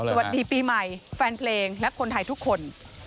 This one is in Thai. สวัสดีปีใหม่แฟนเพลงและคนไทยทุกคน